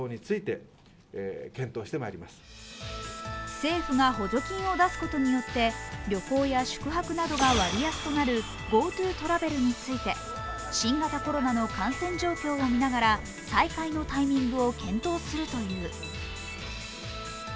政府が補助金を出すことによって旅行や宿泊などが割安となるＧｏＴｏトラベルについて新型コロナの感染状況を見ながら再開のタイミングを検討するという。